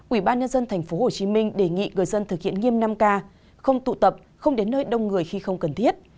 ubnd tp hcm đề nghị người dân thực hiện nghiêm năm k không tụ tập không đến nơi đông người khi không cần thiết